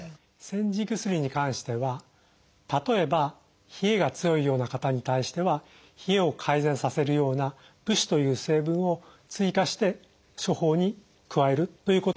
煎じ薬に関しては例えば冷えが強いような方に対しては冷えを改善させるような附子という成分を追加して処方に加えるということをいたします。